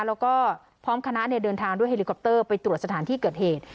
แล้วก็พร้อมคณะเดินทางด้วยเฮลิคอปเตอร์ไปตรวจสถานที่เกิดเหตุ